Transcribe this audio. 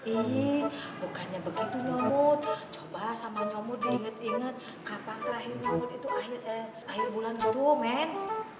ih bukannya begitu nyomot coba sama nyomot diinget inget kapan terakhir nyomot itu akhir bulan itu men